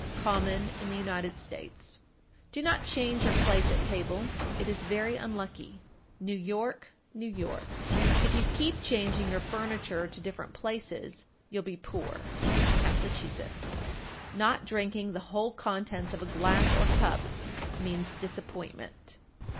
Common in the United States. 1455. Do not change your place at table; it is very unlucky. New York, N.Y. 1456. If you keep changing your furniture to different places, you'll be poor. Massachusetts. 1457. Not drinking the whole contents of a glass or cup means disappointment.